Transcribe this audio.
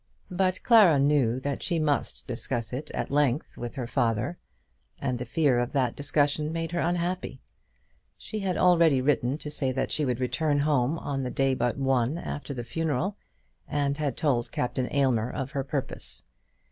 But Clara knew that she must discuss it at length with her father, and the fear of that discussion made her unhappy. She had already written to say that she would return home on the day but one after the funeral, and had told Captain Aylmer of her purpose.